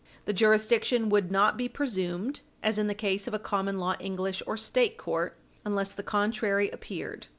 The jurisdiction would not be presumed, as in the case of a common law English or State court, unless the contrary appeared.